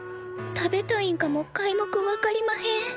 食べたいんかもかいもく分かりまへん。